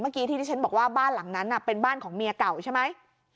เมื่อกี้ที่ที่ฉันบอกว่าบ้านหลังนั้นเป็นบ้านของเมียเก่าใช่ไหม